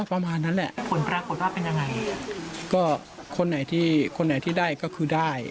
ประมาณนั้นแหละผลปรากฏว่าเป็นยังไงก็คนไหนที่คนไหนที่ได้ก็คือได้